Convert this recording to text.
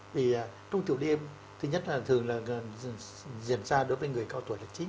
vì trong tiểu đêm thứ nhất là thường là diễn ra đối với người cao tuổi là chính